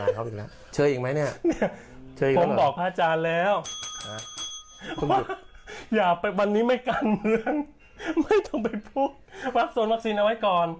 อย่าไปวันนี้ไม่กันเมืองไม่ต้องไปพูดวับวับซนวันทรีย์เอาไว้ก่อน